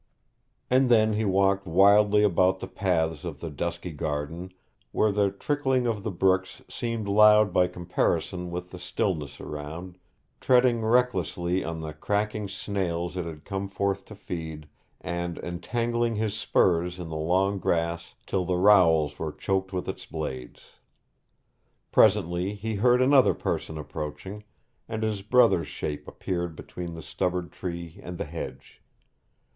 And then he walked wildly about the paths of the dusky garden, where the trickling of the brooks seemed loud by comparison with the stillness around; treading recklessly on the cracking snails that had come forth to feed, and entangling his spurs in the long grass till the rowels were choked with its blades. Presently he heard another person approaching, and his brother's shape appeared between the stubbard tree and the hedge.